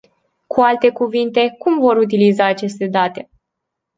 Cu alte cuvinte, cum vor utiliza aceste date?